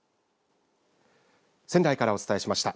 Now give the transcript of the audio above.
仙台からお伝えしました。